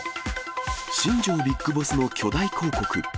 新庄ビッグボスの巨大広告。